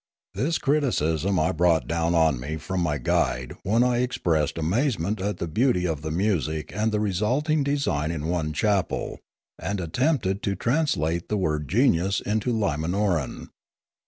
This criticism I brought down on me from my guide when I expressed amazement at the beauty of the music and the resulting design in one chapel, and attempted to trans late the word '* genius" into Limanoran.